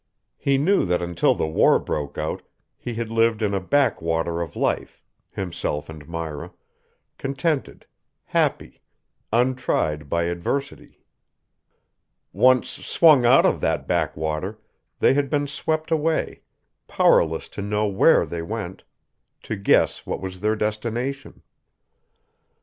He knew that until the war broke out he had lived in a backwater of life, himself and Myra, contented, happy, untried by adversity. Once swung out of that backwater they had been swept away, powerless to know where they went, to guess what was their destination.